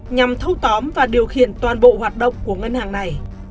nhằm thâu tóm và điều khiển toàn bộ hoạt động của ngân hàng này